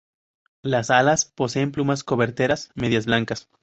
Las alas poseen plumas coberteras medias blancas.